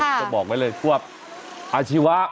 ผมจะบอกไว้เลยว่าอาชีวะ